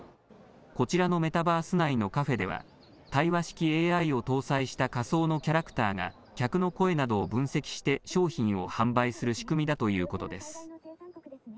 こちらのメタバース内のカフェでは対話式ＡＩを搭載した仮想のキャラクターが客の声などを分析して商品を販売する仕組みだということです。